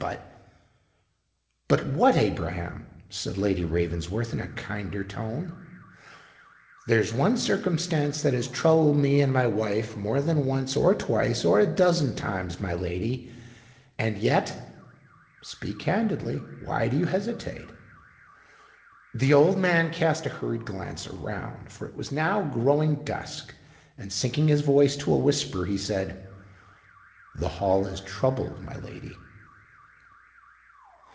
But——" "But what, Abraham?" said Lady Ravensworth, in a kinder tone. "There's one circumstance that has troubled me and my wife more than once—or twice—or a dozen times, my lady: and yet——" "Speak candidly. Why do you hesitate?" The old man cast a hurried glance around,—for it was now growing dusk,—and, sinking his voice to a whisper, he said, "The Hall is troubled, my lady."